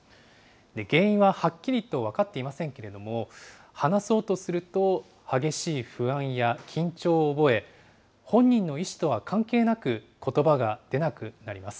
原因ははっきりとは分かっていませんけれども、話そうとすると、激しい不安や緊張を覚え、本人の意思とは関係なくことばが出なくなります。